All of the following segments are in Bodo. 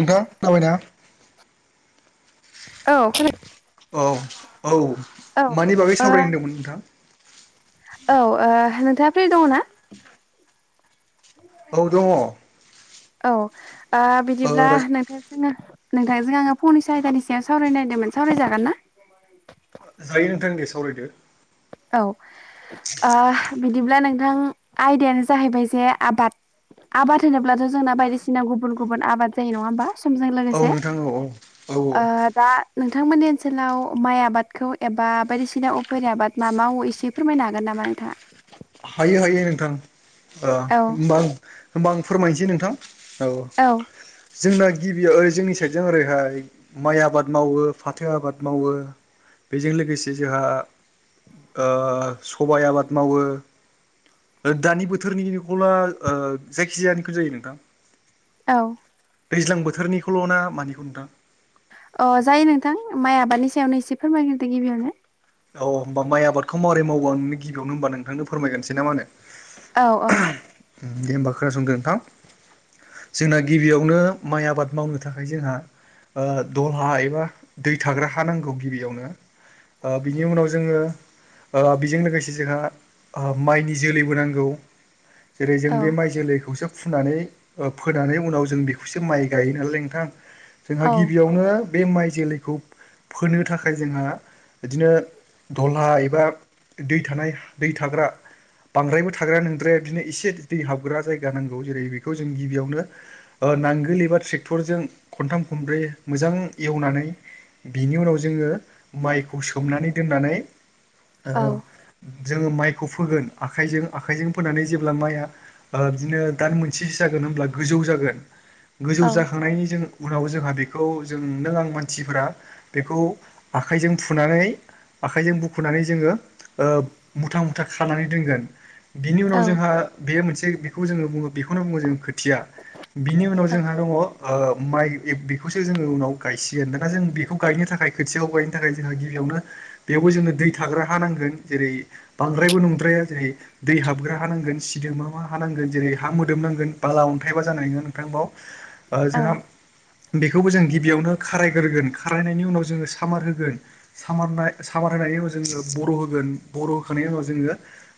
नोंथां खोनाबायना? औ खोना औ औ औ मानि बागै ओ सावरायनो होनदोंमोन नोंथां? औ ओ नोंथाङा फ्रि दङ ना? औ दङ। औ ओ बिदिब्ला नोंथां जोङो नोंथांजों आङो फंनैसो आयदानि सायाव सावरायनो नायदोंमोन सावरायजागोन ना? जायो नोंथां दे सावरायदो। औ ओ बिदिब्ला नोंथां आयदायानो जाहैबाय जे आबाद आबाद होनोब्लाथ' जोंना बायदिसिना गुबुन गुबुन आबाद जायो नङा होमबा समजों औ लोगोसे नोंथां औ औ औ ओ दा नोंथांमोननि ओनसोलाव माइ आबादखौ एबा बायदिसिना उफेर आबाद मा मावो एसे फोरमायनो हागोन नामा नोंथाङा? हायो हायो नोंथां ओ औ होमबां होमबा आं फोरमायनोसै नोंथां। औ। जोंना गिबिया ओरै जोंनि साइडजों ओरैहाय माइ आबाद मावो, फाथो आबाद मावो, बेजों लोगोसे जोंहा ओ सबाय आबाद मावो, दानि बोथोरनि न'खौला ओ जायखिजायानिखौ जायो नोंथां? औ। दैज्लां बोथोरनिखौल' ना मानिखौ नोंथां? अ जायो नोंथां माइ आबादनि सायावनो एसे फोरमायगोरदो गिबियावनो। अ होमबा माइ आबादखौ मारै मावो आंनो गिबियावनो होनबा नोंथांनो फोरायगसे ना मानो? औ औ। दे होमबा खोनासंदो नोंथां। जोंना गिबियावनो माइ आबाद मावनो थाखाय जोंहा ओ दल हा एबा दै थाग्रा हा नांगौ गिबियावनो। ओ बिनि उनाव जोङो ओ बेजों लोगोसे जोंहा ओ माइनि जोलैबो नांगौ। जेरै जों बे माइ जोलैखौसो फुनानै ओफोनानै उनाव जों बेखौसो माइ गायो नालाय नोंथां। जोंहा गिबियावनो बे माइ जोलैखौ फोनो थाखाय जोंहा बिदिनो दलहा एबा दै थानाय दै थाग्रा बांद्रायबो थाग्राया नोंद्राया बिनो एसे दै हाबग्रा जायगा नांगौ जेरै बेखौ जों गिबियावनो ओ ओ नांगोल एबा ट्रेक्टरजों खनथाम खनब्रै मोजां एवनानै बिनि उनाव जोङो माइखौ सोमनानै दोननानै ओ जोङो माइखौ फोगोन आखाइजों आखाइजों फोनानै जेब्ला माइआ बिनो दान मोनसेसो जागोन, होनब्ला गोजौ जागोन गोजौ जाखांनायनि जों उनाव जोंहा बेखौ जों नों आं मानसिफोरा बेखौ आखाइजों फुनानै बुखुनानै आखाइजों बुखुनानै जोङो मुथा मुथा खानानै दोनगोन। बिनि उनाव जोंहा बेयो मोनसे बेखौ जोङो बुङो बेखौनो बुङो जों खोथिया। बिनि उनाव जोंहा दङ ओ माइ ए बेखौसो जोङो उनाव गायसिगोन, दाना जों बेखौ गायनो थाखाय खोथियाखौ गायनो थाखाय जोंहा गिबियावनो बेयावबो जोंनो दै थाग्रा हा नांगोन जेरै बांद्रायबो नंद्राया जेरै दै हाबग्रा हानांगोन सिदोमा मा हा नांगोन जेरै हा मोदोमनांगोन बाला अन्थाइबा जानाय नङा नोंथां बाव। ओ जोंहा बेखौबो जों गिबियावनो खारायग्रोगोन खारायनायनि उनाव जोङो सामार होगोन, सामारनाय सामार होनाय उनाव जोङो बर' होगोन बर' होखांनायनि उनाव जोङो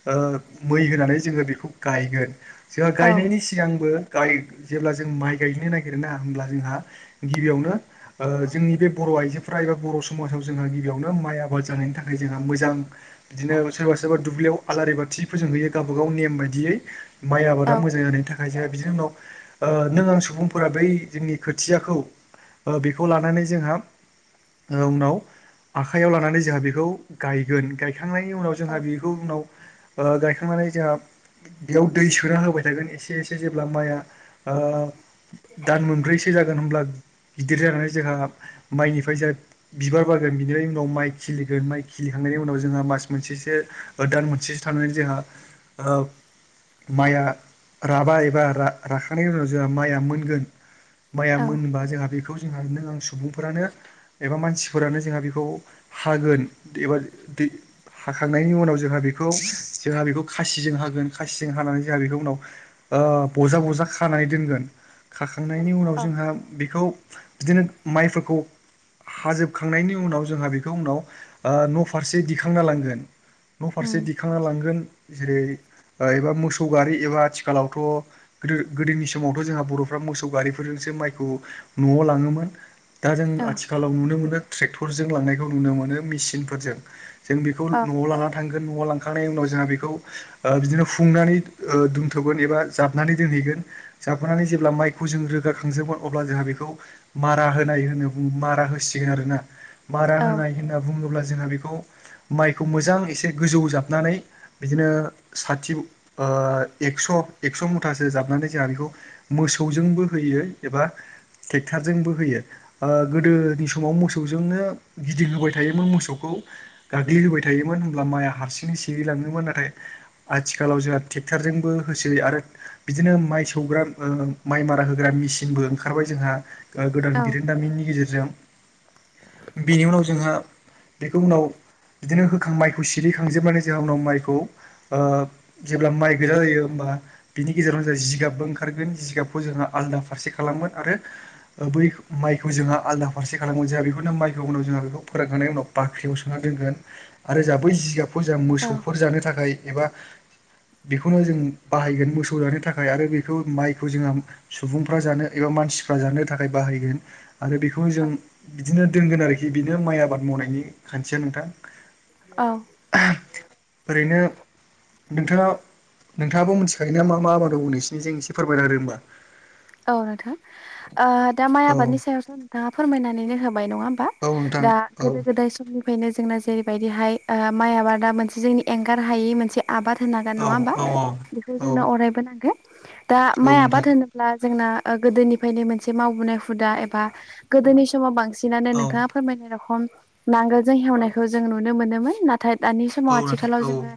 ओ मै होनानै जोङो बेखौ गायगोन। जोंहा गायनायनि सिगांबो गाय जेब्ला जों माइ गायनो नागिरोना होमब्ला जोंहा गिबियावनो ओ जोंनि बे बर' आइजोरा एबा बर' समाजाव जोंहा गिबियावनो माइ आबाद जानायनि थाखाय जोंहा मोजां बिदिनो सोरबा सोरबा दुब्लियाव आलारि बाथि फोजों नुयो गाबागाव नेम बायदियै माइ आबादा मोजां जानायनि थाखाय जोंहा बिदिनिउनाव ओ नों आं सुबुंफोरा बै जोंनि खोथियाखौ ओ बेखौ लानानै जोंहा ओ उनाव आखाइयाव लानानै जोंहा बेखौ गायगोन। गायखांनायनि उनाव जोंहा बेखौ उनाव ओ गायखांनानै जोंहा -' बेयाव दै सोना होबाय थागोन एसे एसे जेब्ला माइआ ओ दान मोनब्रैसो जागोन होनब्ला गिदिर जानानो जोंहा माइनिफ्राय जाय बिबार बारगोन बिनिबाय उनाव माइ खिलिगोन माइ खिलिखांनायनि उनाव जोंहा मास मोनसेसो दान मोनसेसो थनानै जो हा ओ माइया राबा एबा रा-राखानायनि उनाव जोहा माइआ मोनगोन माइया मोनबा जोहा बेखौ जोहा नों आं सुबुंफोरानो एबा मानसि फोरानो जोहा बेखौ हागोन देबा दै हाखांनायनि उनाव जोहा बेखौ जोहा बेखौ खासिजों हागोन खासिजों हानानै जोहा बेखौ उनाव ओ बजा बजा खानाय दोनगोन। खाख खांनायनि उनाव जोंहा बेखौ बिदिनो माइफोरखौ हाजोब खांनायनि उनाव जोंहा बेखौ उनाव ओ न' फारसे दिखांना लांगोन न' फारसे दिखांना लांगोन जेरै एबा मोसौ गारि एबा आथिखालावथ' गोदो गोदोनि समावथ' जोंहा बर'फ्रा मोसौ गारिफोरजोंसो सो माइखौ न'आव लाङोमोन दा जों आथिखालाव नुनो मोनो जों लांनायखौ नुनो मोनो मिचिनफोरजों जों बिखौल न'आव लाना थांगोन न'आव लां खांनायनि उनाव जोंहा बेखौ ओ बिदिनो फुंनानै ओ दोन्थ'गोन एबा जाबनानै दोनहैगोन जाफ्फानानै जेब्ला माइखौ जों रोगाखांजोबगोन अब्ला जोंहा बेखौ मारा होनाय होनो बुं बु‌ं मारा होसिगोन आरोना मारा होनाय होनना बुङोब्ला जोंहा बेखौ माइखौ मोजां एसे गोजौ जाबनानै बिदिनो सथिव ओ ओ एक्स' एक्स' मुथासो जाबनानै जोंहा बेखौ मोसौजोंबो होयो एबा ट्रेक्टारजोंबो होयो ओ गोदोनि समाव मो सौजोंनो गिदिं होबाय थायोमोन मोसौखौ गाग्लिहोबाय थायोमोन होमब्ला माइआ हारसिंनो सिरिला- ङोमोन नाथाय आथिखालाव जोंहा टेक्टार जोंबो होसै आरो बिदिनो माइ सौग्रा ओ ओं माइ मारा होग्रा मिसिनबो ओंखारबाय जोंहा ओ गोदान बिरोनदामिननि गेजेरजों बेनि उनाव जोंहा बेखौ उनाव बिदिनो होखां माइखौ सिरिखांजोबनानै जोङा उनाव माइखौ ओ जेब्ला माइगोजा जायो होम बा बिनि गेजेरावनो जोङा जिगाबबो ओंखारगोन जिबखौ जोंहा आलादा फारसे खालामगोन आरो ओ बै माइखौ जों आलादा फारसे खालामोन जोंहा बेखौनो माइखौ उनाव जोंहा बेखौ फोरोंखांनायनि उनाव बाख्रियाव सोना दोनगोन आरो जोंहा बै जिगाब फो जाहा मोसौफोर जानो थाखाय एबा बेखौनो जों बाहायगोन मोसौ जानो थाखाय आरो बेखौ माइखौ जोंहा सुबुंफ्रा जानो एबा मा सिफ्रा जानो थाखाय बाहायगोन आरो बेखौनो जों बिदिनो दोनगोन आरोखि बेनो माइ आबाद मावनायनि खान्थिया नोंथां आहाम ओरैनो नोंथाङा नोंथाङाबो मोनथिखायो ना मा मा आबाद दं नोंसिरनिजों एसे फोरमायना होदो होमबा औ नोंथां ओ दा माइ आबादनि सायावसो नोंथाङा फोरमायनानैनो हो बाय नङा होमबा औ नोंथां दा औ गोदो‌ गोदाय समनि फ्रायनो जोंना जेरैबायदिहाय ओ माइ आबादा मोनसे जोंनि एंगार हायै मोनसे आबाद होनांगोन नङा औ होमबा औ बेखौ औ जोंनो अरायबोनांगोन दा औ माइ आबाद नोंथां होनोब्ला जोंना ओ गोदोनिफ्रायनो मोनसे मावबोनाय हुदा एबा गोदोनि समाव बांसि नानो औ नोंथाङा फोरमायनाय रखम नांगोलजों हेवनायखौ जों नुनो मोनोमोन ना थाय दानि समाव औ आथिखालाव नोंथां औ नोंथां औ नोंथां औ नोंथां औ जोङो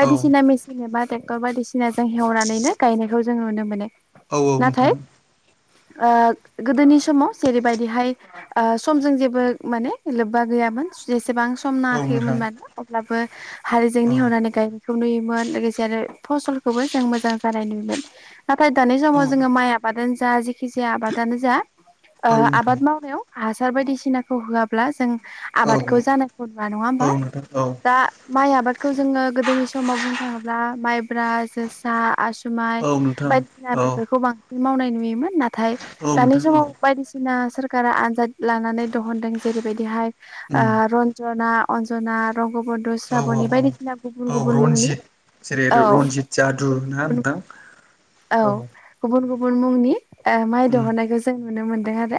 बायदिसिना मेसिन एबा ट्रेक्टर बायदिसि नाजों हेवनानैनो गायनायखौ जों नुनो मोनो औ औ नाथाय नोंथां ओ गोदोनि समाव जेरैबायदिहाय ओ समजों जेबो माने लोब्बा गैया यामोन जेसेबां सम नाङाखैमोन मानो अब्लाबो हालजोंनि हेवनानै गाय नाय खौ नुयोमोन लोगोसे आरो फसलखौबो जों मोजां जानाय नुयोमोन नाथाय दानि समाव जों आबादानो जा जेखि जाया आबादानो जा ओ आबाद मावनायाव हासार बायदिसिनाखौ होआब्ला जों आबादखौ औ जानायखौ नुवा नङा होमबा औ नोंथां औ दा माइ आबादखौ जोङो गोदोनि समाव बुंनो थाङोब्ला माइब्रा जोसा आसु माय औ नोंथां बायदिसिना औ बेफोरखौ बांसिन मावनाय नुयोमोन नाथाय औ दानि नोंथां औ समाव बायदिसिना सोरखारा आनजाद लानानै दहनदों जेरैबायदिहाय ओ उम रनजना अनजना रंग बन्द औ औ स्राबनि औ बायदिसिना गुबुन औ गुबुन मुंनि रन्जित जेरै औ र-रनजित जादु गुबुन ना गुबुन नोंथां औ गुबुन गुबुन मुंनि ओ माइ उम दहननायखौ जों नुनो मोनदों आरो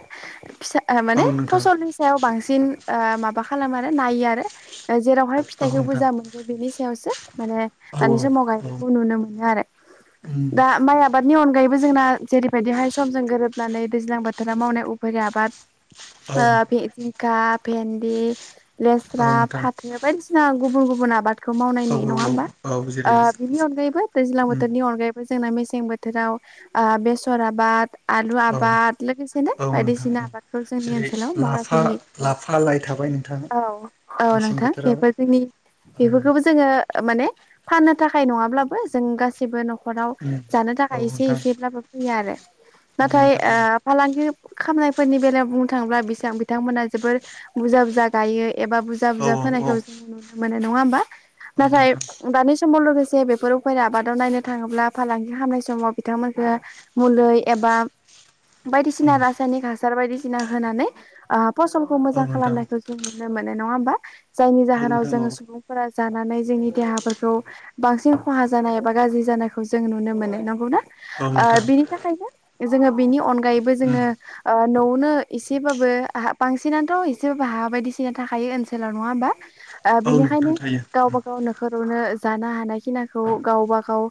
फिसा ओ औ माने नोंथां फसलनि सायाव बांसिन ओ माबा खालामो आरो नायो आरो ओ जेरावहाय औ फिथाइखौ नोंथां बुर्जा मोनगोन बेनि सायावसो माने औ दानि समाव औ गायनायखौ नुनो मोनो आरो उम दा माइआ नि अनगायैबो जोंना जेरैबायदिहाय समजों गोरोबनानै दैज्लां बोथोराव मावनाय उफेरिया आबाद औ ओ भे-जिंखा, भेन्दि, लेस्रा, नोंथां फाथो बायदिसिना गुबुन गुबुन आबादखौ मावनाय औ नुयो। नङा औ होमबा? औ ओ‌ जेरै बिनि अनगायैबो दैज्लां उम बोथोरनि अनगायै बो जोंना मेसें बोथोराव ओ बेसर आबाद आलु औ आबाद लोगोसेनो औ नोंथां बायदिसिना उम आबादखौ जोंनि जेरै ओनसोलाव मावनायखौ लाफा नुयो। लाफा लाइ थाबाय नोंथां औ औ मेसें नोंथां बोथोराव बेफोर जोंनि औ बेफोरखौबो जोङो माने फाननो थाखाय नङाब्लाबो जों गासिबो न'खराव उम जानो थाखा य औ एसे नोंथां एसेब्लाबो फैयो आरो औ नाथाय नोंथां ओ औ फालांगि खामनायफोरनि बेलायाव बुंनो थाङोब्ला बिसां-बिथांमोनहा जोबोर बुजा-बुजा गायो एबा औ बुजा-बुजा औ फोनायखौ जोंङो नुनो मोनोनङा होमबा? औ नाथाय नोंथां दानि समाव लोगो से बेफोर उफेरा आबादाव नायनो थाङोब्ला फालांगि खालामनाय स माव बिथांमोनखो मुलै एबा औ बायदिसिना रासायनिक हासार बायदिसि ना होनानै ओ फसलखौ औ मोजां नोंथां खालामनायखौ जों नुनो मोनो। नङा होमबा? जायनि औ जाहोनाव नोंथां जोङो औ सुबुंफोरा जानानै जोंनि देहाफोरखौ बांसिन खहा जानाय एबा गाज्रि जानायखौ जों नुनो मोनो। नंगौ ना? औ ओ नोंथां बिनि थाखायनो जोङो बिनि अनगायैबो उम जोङो ओ न'आवनो एसेबाबो बांसिनथ' एसेबाबो हा बायदिसिना थाखायो ओनसोलाव, नङा होमबा? ओ औ बिनिखायनो नोंथां थायो उम गावबा गाव नोखरावनो जानो हानाय खिनाखौ गावबा गाव ओ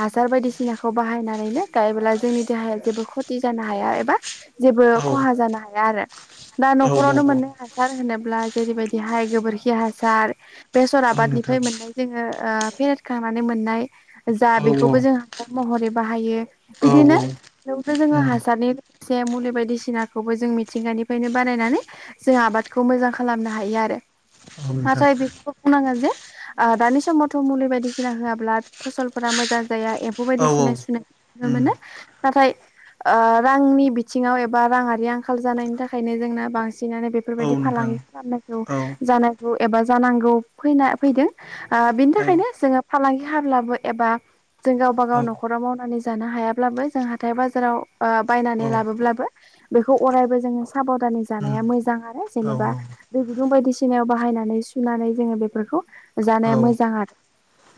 हासार बायदि सिनाखौ बाहायनानैनो गायोब्ला जोंनि देहाया जेबो खथि जानो हाया एबा जेबो औ खहा जानो हाया आरो दा औ न'खरावनो औ मोनो हासार होनोब्ला जेरैबायदि हाय गोबोरखि हासार, बेसर औ नोंथां आबादनिफ्राय मोननाय जोङो ओ फेरेदखांनानै मोननाय जा औ बेखौबो जों हासार महरै बाहायो। औ बिदिनो बेवनो जोङो उम औ हासारनि से मुलि बायदिसिनाखौबो जों मिथिंगानिफ्रायनो बानायनानै जों आबादखौ मोजां खालामनो हायो आरो नोंथां फास्थआव बेफोरखौ बुंनांगोन जे ओ दानि समावथ' मुलि बायदिसिना होआब्ला फसलफोरा मोजां जाया ए म्फौ बेबायायदि औ औ सिनाय सुनाय नुनो उम मोनो। नाथाय ओ रांनि बिथिङाव एबा राङारि आंखाल जानायनि थाखायनो जोंना बां सिनानो औ बेफोरबायाददि नोंथां फालांगि खालामनांगौ औ जानांगौ एबा जानांगौ फैना फैदों। ओ बिनि औ औ थाखायनो जोङो फालांगि हाब्लाबो एबा जों गावबा गाव उम न'खराव मावनानै जानो हायाब्लाबो जों हाथाय-बाजाराव ओ औ बायनानै औ लाबोब्लाबो बेखौ अरायबो जों साब'धानै जानाया मोजां आरो जेनेबा दै गुदुं बायदिसिना याव बाहायनानै सुनानै जोङो बेफोरखौ जानाया मोजां आरो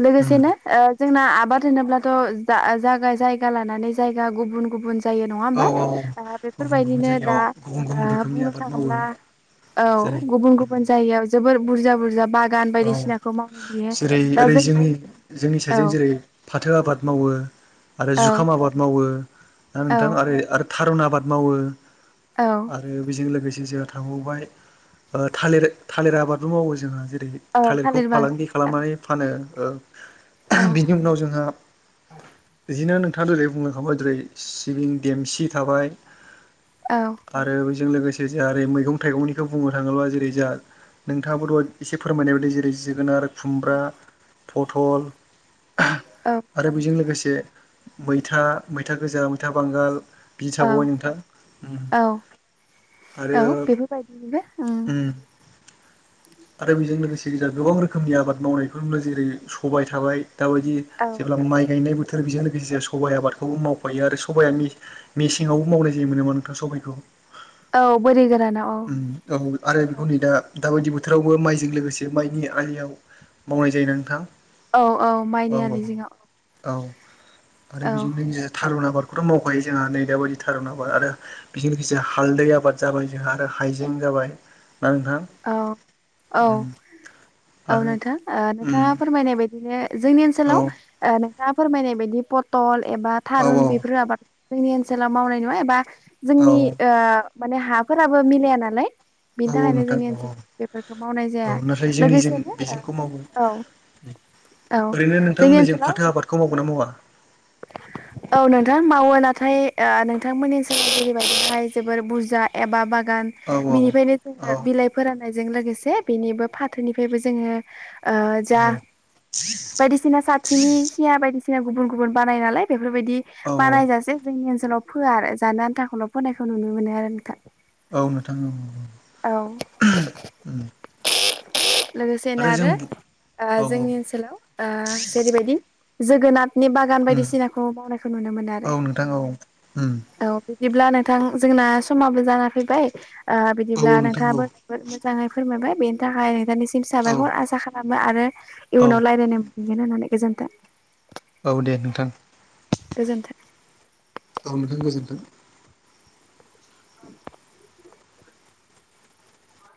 उम लोगोसेनो ओ जोंना आबाद होनोब्लाथ' जा- जाया-जायगा लानानै जायगा गुबुन-गुबुन जायो। नङा औ होमबा? औ ओ गुबुन गुबुन बेफोरबायदिनो जायगायाव दा गुबुन गुबुन ओ रोखोमनि बुंनो आबाद मावो थाङोब्ला औ जेरै गुबुन-गुबुन जायगायाव जोबोर बुरजा-बुरजा बा औ जेरै ओरै जोंनि जोंनि औ साइडजों जेरै फाथो आबाद मावो आरो औ जुखाम आबाद मावो ना औ नोंथां ओरो‌ थारुन आबाद मावो औ आरो बेजों लोगोसे गेजेराव थाबावबाय ओ थालिर-थालिर आबबो मावो जोङो जेरै औ थालिरखौ थालिर बागान फालांगि खालामनानै फानो। ओ औ बिनि उनाव जोंङो बिदिनो नोंथाङा जेरै बुंलांखांबाय जेरै सिबिं देमसि थाबाय औ आरो बेजों लोगो से ओरै मैं-थाइगंनिखौ बुंनो थाङोब्ला जेरै जोंहा नोंथाङाबो एसे फोरमायनाय बाय दि जेरै जोगोनार, खुमब्रा, पथल औ आरो बेजों लोगोसे मैथा- मैथा गोजा, मैथा बांगाल बि औ थाबावबाय नोंथां। उम औ आरो औ बेफोरबायदिनिबो उम आरो बेजों लोगोसे गोजा गोबां रोखोमनि आबाद मावनायफोर जेरै सबाय थाबाय दाबायदि औ जेब्ला माइ गायनाय बो थोर बेजों लोगोसे सबाइ आबादखौबो मावफायो आरो सबाया मेसे मेसेंआवबो मावनाय जायो मोननामा नोंथां सबाइखौ औ बोरि गोरानाव औ औ आरो औ बेखौ नै दा दाबायदि बोथोरावबो माइजों लोगोसे माइनि आलियाव मावनाय जायो नोंथां औ औ माइनि आलि जिङाव औ आरो औ बेजों लोगोसे थारुन आबार बेथ' मावखायो जोंहा नै दा बायदि थारुन आबाद आरो बेजों लोगोसे हालदै आबाद जाबाय जोंहा हाइजें जाबा जाबाय दा नोंथां औ औ ओम औ नोंथां नोंथाङा फोरमायनाय बदिनो जोंनि औ ओनसोलाव दा फोरमायनाय बायदि पटल एबा औ थारुन बेफोर आबाद जोंनि ओनसोलाव मावनाय नुआ एबा औ जोंनि औ ओ माने हाफोराबो मिलाया नालाय औ बिनि थाखायनो नोंथां औ जोंनि ओ बेफोरखौ मावनाय औ जाया नाथाय जोंनि जों लोगोसेनो बेजोंखौ मावो ओ औ। औ ओरैनो जोंनि नोंथांमोननिजों ओनसोलाव फाथो आबादखौ मावगोन ना मावा औ नोंथां मावो नाथाय ओ नोंथांमोननि ओनसोलनि जरैबायदिहाय जोबोर बुरजा एबा बा गान औ औ बिनिफ्रायनो जोङो बिलाइ फोराननायजों लोगोसे बेनिबो फाथोनिफ्रायबो जोङो ओ जा औ बायदिसिना साथिनि खिया बायदिसिना गुबुन गुबुन बानाय नालाय बे बेफोरबायदि औ बानायजासे जोंनि ओनसोलाव फोआ आरो जानो आन्थाखौल' फोनायखौ नुनो मोनो आरो नोंथां औ नोंथाङ औ! औ लोगोसेनो आरो ओ औ जोंनि ओनसोलाव जेरैबायदि जोगोनाथनि बागान उम बायदिसिनाखौ मावनायखौ नुनो मोनो औ आरो नोंथां औ उम औ। बिदिब्ला नोंथां जोंना समाबो जाना फैबाय ओ औ बिदिब्ला नोंथां औ नोंथाङाबो जोबोद मोजाङै फोरमायबाय बेनि थाखाय नोंथांनिसिम औ साबायखर आसा खालाम आरो औ इयुनाव रायलायनो मोनगोन होननानै गोजोनथों। औ दे नोंथां। गोजोन्थों। औ नोंथां गोजोन्थों। [inaudible]